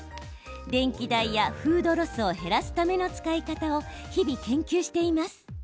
電気代やフードロスを減らすための使い方を日々、研究しています。